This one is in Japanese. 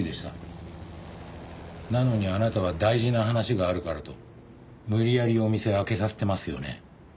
なのにあなたは大事な話があるからと無理やりお店開けさせてますよね。